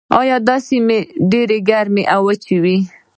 دا سیمه ډیره ګرمه او وچه ده.